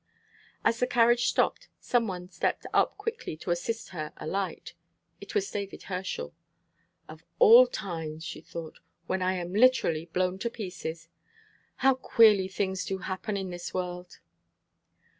As the carriage stopped, some one stepped up quickly to assist her alight. It was David Herschel. "Of all times!" she thought; "when I am literally blown to pieces. How queerly things do happen in this world!"